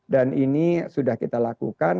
dan ini sudah kita lakukan